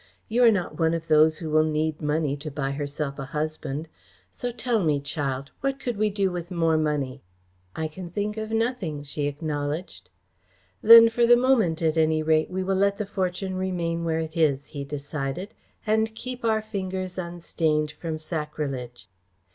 You are not one of those who will need money to buy herself a husband. So tell me, child, what could we do with more money?" "I can think of nothing," she acknowledged. "Then, for the moment, at any rate, we will let the fortune remain where it is," he decided, "and keep our fingers unstained from sacrilege.